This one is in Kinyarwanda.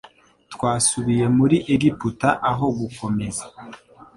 Twasubiye muri Egiputa aho gukomeza